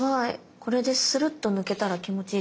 これでスルッと抜けたら気持ちいいですね。